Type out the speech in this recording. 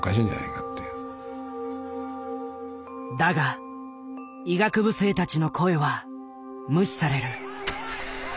だが医学部生たちの声は無視される。